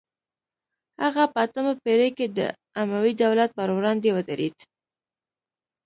هغه په اتمه پیړۍ کې د اموي دولت پر وړاندې ودرید